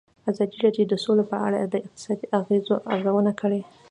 ازادي راډیو د سوله په اړه د اقتصادي اغېزو ارزونه کړې.